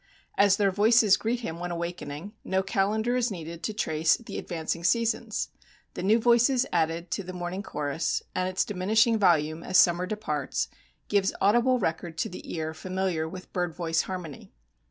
As their voices greet him when awakening, no calendar is needed to trace the advancing seasons. The new voices added to the morning chorus and its diminishing volume as summer departs gives audible record to the ear familiar with bird voice harmony.